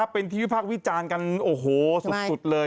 เป็นที่วิพากษ์วิจารณ์กันโอ้โหสุดเลย